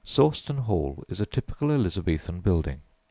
Sawston Hall is a typical Elizabethan building.